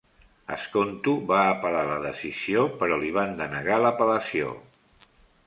Skonto va apel·lar la decisió, però li van denegar l'apel·lació.